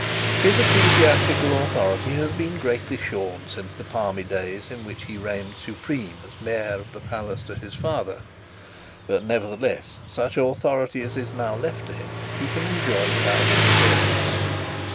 His ecclesiastical authority has been greatly shorn since the palmy days in which he reigned supreme as mayor of the palace to his father, but nevertheless such authority as is now left to him he can enjoy without interference.